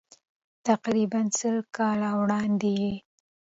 تقریباً سل کاله وړاندې یې.